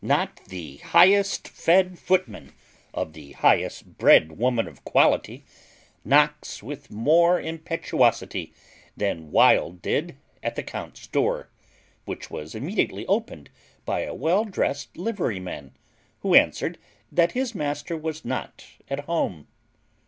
Not the highest fed footman of the highest bred woman of quality knocks with more impetuosity than Wild did at the count's door, which was immediately opened by a well drest liveryman, who answered that his master was not at home.